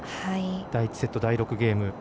第１セット第６ゲーム。